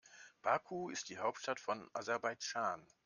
Baku ist die Hauptstadt von Aserbaidschan.